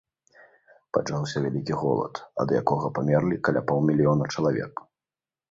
Пачаўся вялікі голад, ад якога памерлі каля паўмільёна чалавек.